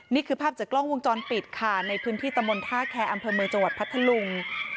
นี่คือภาพจากกล้องวงจรปิดค่ะในพื้นที่ตะมนต์ท่าแคร์อำเภอเมืองจังหวัดพัทธลุง